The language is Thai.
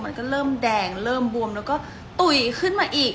มันก็เริ่มแดงเริ่มบวมแล้วก็ตุ๋ยขึ้นมาอีก